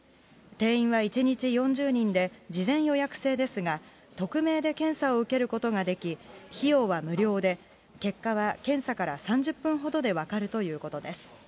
定員は１日４０人で、事前予約制ですが、匿名で検査を受けることができ、費用は無料で、結果は検査から３０分ほどで分かるということです。